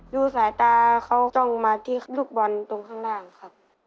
ดูสายตาเขาต้องมาที่ลูกบอลตรงข้างล่างครับ